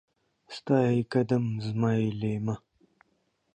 ستا يې قدم ، زما يې ليمه.